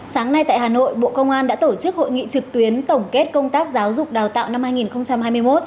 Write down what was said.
sáng nay tại hà nội bộ công an đã tổ chức hội nghị trực tuyến tổng kết công tác giáo dục đào tạo năm hai nghìn hai mươi một